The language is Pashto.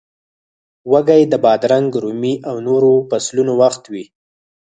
وږی د بادرنګ، رومي او نورو فصلونو وخت وي.